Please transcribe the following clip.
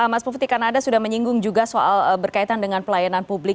mas mufti karena anda sudah menyinggung juga soal berkaitan dengan pelayanan publik